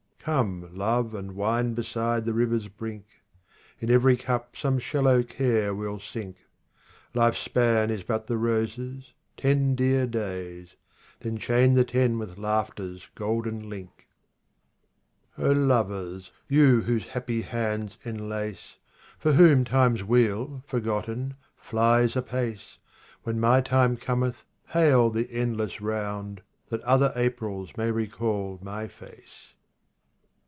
Come, love and wine beside the river's brink ; In every cup some shallow care we'll sink. Life's span is but the rose's, ten dear days ; Then chain the ten with laughter's golden link. 40 RUBA'IYAT OF HAFIZ lovers, you whose happy hands enlace, For whom Time's wheel, forgotten, flies apace, When my time cometh hail the endless round, That other Aprils may recall my face.